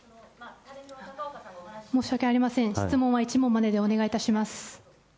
申し訳ありません、質問は１問まででお願いいたします。